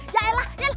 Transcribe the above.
ya elah ya elah